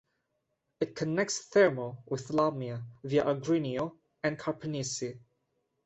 It connects Thermo with Lamia, via Agrinio and Karpenisi.